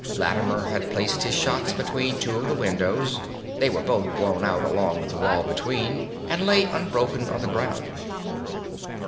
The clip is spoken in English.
Lattimer had placed his shots between two of the windows; they were both blown out along with the wall between, and lay unbroken on the ground.